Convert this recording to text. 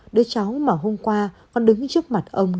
đứa cháu mà hôm qua còn đứng trước mặt ông